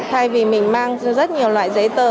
thay vì mình mang rất nhiều loại giấy tờ